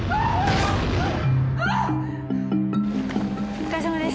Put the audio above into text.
お疲れさまです。